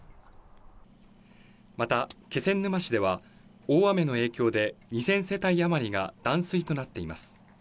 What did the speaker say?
また気仙沼市では、大雨の影響で２０００世帯あまりが断水となっています。